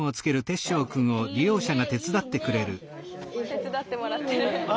手伝ってもらってる。